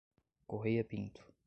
Correia Pinto